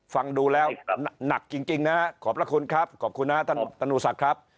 ฟังดูแล้วหนักจริงนะขอบพระคุณครับขอบคุณนะท่านธนูศักดิ์ครับ